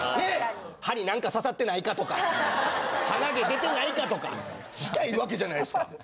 歯に何か刺さってないかとか鼻毛出てないかとかしたいわけじゃないですか。